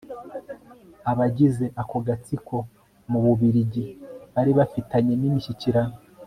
abagize ako gatsiko, mu bubiligi bari bafitanye n'imishyikirano